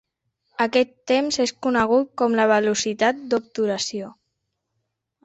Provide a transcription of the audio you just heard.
Aquest temps és conegut com la velocitat d'obturació.